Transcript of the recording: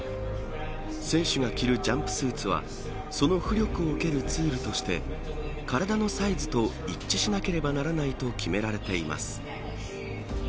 選手が着るジャンプスーツはその浮力を受けるツールとして体のサイズと一致しなければならないと決められています。